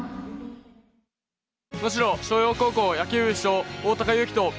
能代松陽高校野球部主将、大高有生と。